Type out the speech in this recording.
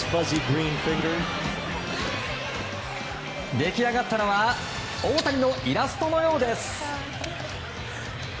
出来上がったのは大谷のイラストのようです。